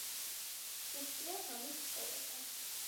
სუსტია ღამის ცხოვრება.